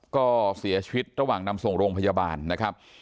ก็เสียชีวิตระหว่างนำส่งโรงพยาบาลนะครับ